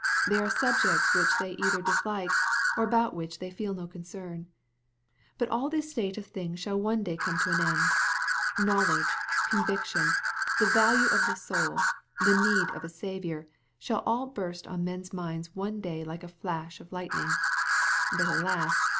They are subjects which they either dislike, or about which they feel no concern. But all this state of things shall one day come to an end. Knowledge, conviction, the value of the soul, the need of a Saviour, shall all burst on men's minds one day like a flash of lightning. But alas